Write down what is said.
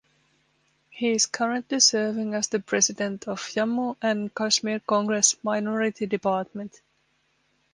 He is currently serving as the President of Jammu and Kashmir Congress Minority Department.